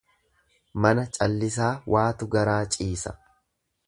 Nama callisaa waatu garaa cisaa.